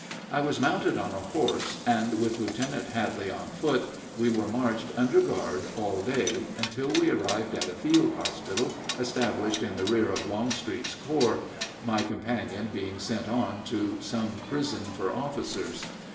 I was mounted on a horse, and with Lieutenant Hadley on foot we were marched under guard all day until we arrived at a field hospital established in the rear of Longstreet's corps, my companion being sent on to some prison for officers.